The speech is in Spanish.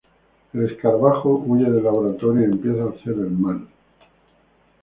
El Escarabajo huye del laboratorio y empieza a hacer el mal.